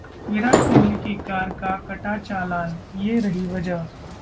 विराट कोहली की कार का कटा चालान, ये रही वजह...